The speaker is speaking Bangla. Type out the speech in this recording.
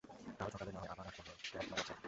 কাল সকালে না হয় আবার আসব হ্যাঁ, তোমার খুব মজা লাগছে।